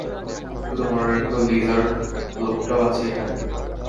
শুধু মনে রেখো, লিজার্ড লোকটাও আছে এখানে।